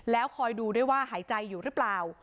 แล้วคอยดูด้วยว่าหายใจอยู่หรือเปล่า